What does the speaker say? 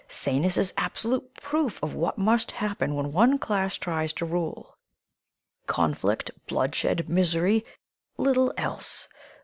Sanus is absolute proof of what must happen when one class tries to rule; conflict, bloodshed, misery little else!